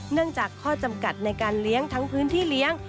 เนื่องจากข้อจำกัดในการเลี้ยงทั้งพื้นที่เลี้ยง